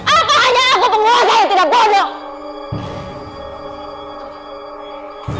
apa aja aku penguasa yang tidak bodoh